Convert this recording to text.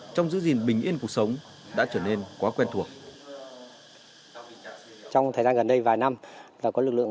trong giữ gìn bình yên cuộc sống đã trở nên quá quen thuộc